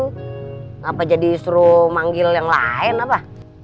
gak apa apa jadi disuruh manggil yang lain apa